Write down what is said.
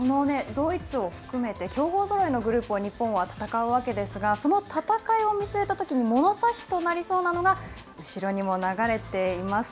そのドイツを含めて強豪ぞろいのグループを日本は戦うわけですがその戦いを見据えたときに物差しとなりそうなのが後ろにも流れています。